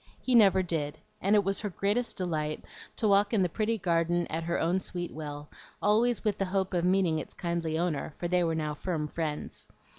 He never did; and it was her greatest delight to walk in the pretty garden at her own sweet will, always with the hope of meeting its kindly owner, for now they were firm friends.